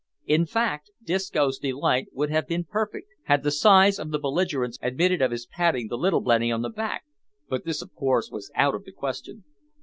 In fact Disco's delight would have been perfect, had the size of the belligerents admitted of his patting the little blenny on the back; but this of course was out of the question!